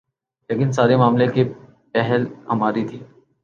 لیکن سارے معاملے کی پہل ہماری تھی۔